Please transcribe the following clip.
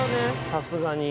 さすがに。